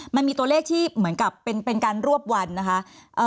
มันมีตัวเลขที่เหมือนกับเป็นการรวบวันนะคะ